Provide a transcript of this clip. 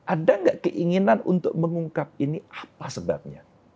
ada nggak keinginan untuk mengungkap ini apa sebabnya